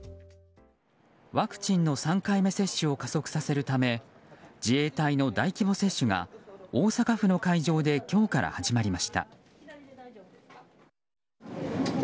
ワクチンの３回目接種を加速させるため自衛隊の大規模接種が大阪府の会場で今日から始まりました。